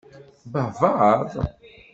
Tebbehbaḍ?